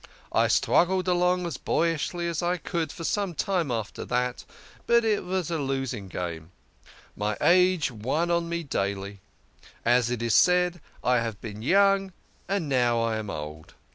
I struggled along as boy ishly as I could for some time after that, but it was in a losing cause. My age won on me daily. As it is said, ' I have been young, and now I am old.'